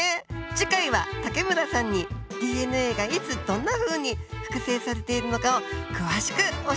次回は武村さんにＤＮＡがいつどんなふうに複製されているのかを詳しく教えてもらいます。